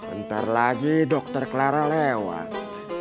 bentar lagi dokter clara lewat